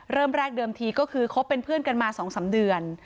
เริ่มแรกเดิมทีก็คือคบเป็นเพื่อนกันมา๒๓เดือน